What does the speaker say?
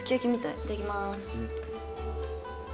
いただきます。